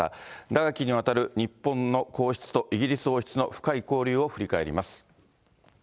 長きにわたる日本の皇室とイギリス王室の深い交流を振り返ります。